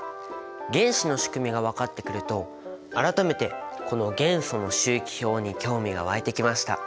原子の仕組みが分かってくると改めてこの元素の周期表に興味が湧いてきました。